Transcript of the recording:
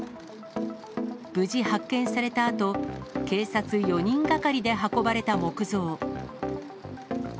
無事発見されたあと、警察４人がかりで運ばれた木像。